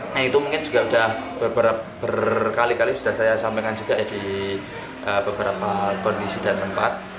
nah itu mungkin juga sudah beberapa berkali kali sudah saya sampaikan juga ya di beberapa kondisi dan tempat